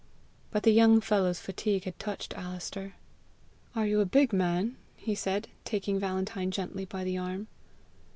But the young fellow's fatigue had touched Alister. "Are you a big man?" he said, taking Valentine gently by the arm.